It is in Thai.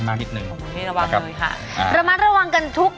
แม่บ้านประจันบัน